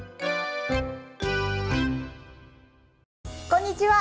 こんにちは。